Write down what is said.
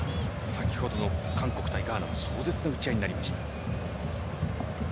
先ほどの韓国対ガーナも壮絶な打ち合いになりました。